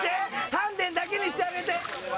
丹田だけにしてあげて。